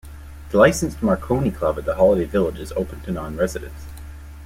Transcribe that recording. The licensed "Marconi Club" at the holiday village is open to non-residents.